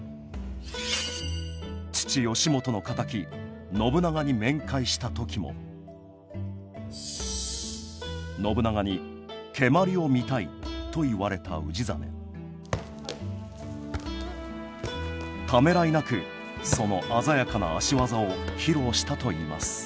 父義元の敵信長に面会した時も信長に「蹴鞠を見たい」と言われた氏真ためらいなくその鮮やかな足技を披露したといいますお！